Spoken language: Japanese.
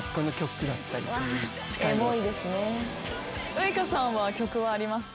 ウイカさんは曲はありますか？